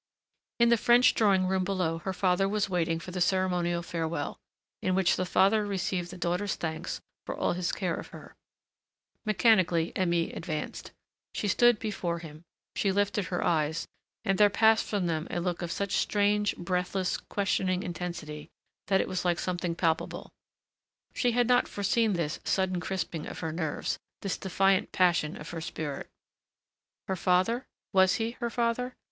In the French drawing room below her father was waiting for the ceremonial farewell, in which the father received the daughter's thanks for all his care of her. Mechanically Aimée advanced. She stood before him, she lifted her eyes and there passed from them a look of such strange, breathless, questioning intensity that it was like something palpable.... She had not foreseen this, sudden crisping of her nerves, this defiant passion of her spirit.... Her father? Was he her father?